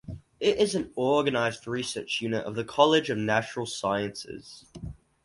It is an organized research unit of the College of Natural Sciences.